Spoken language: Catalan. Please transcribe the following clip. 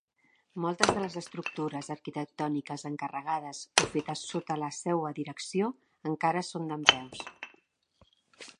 Moltes de les estructures arquitectòniques encarregades o fetes sota la seua direcció encara són dempeus.